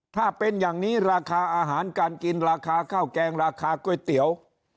ถ้าเป็นอย่างนี้ราคาอาหารการกินราคาข้าวแกงราคาก๋วยเตี๋ยว